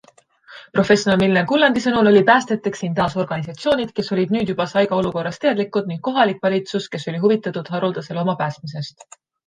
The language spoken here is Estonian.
Professor Milner-Gullandi sõnul olid päästjateks siin taas organisatsioonid, kes olid nüüd juba saiga olukorrast teadlikud ning kohalik valitsus, kes oli huvitatud haruldase looma päästmisest.